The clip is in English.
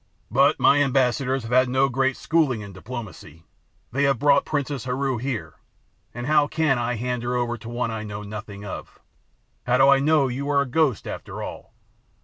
But my ambassadors have had no great schooling in diplomacy; they have brought Princess Heru here, and how can I hand her over to one I know nothing of? How do I know you are a ghost, after all?